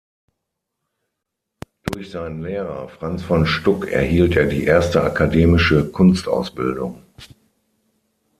Durch seinen Lehrer Franz von Stuck erhielt er die erste akademische Kunstausbildung.